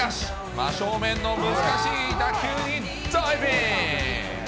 真正面の難しい打球に、ダイビング。